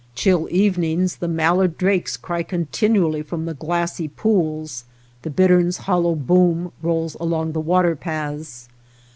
Chill evenings the mallard drakes cry continually from the glassy pools, the bittern's hollow boom rolls along the water paths.